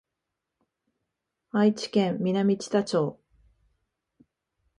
愛知県南知多町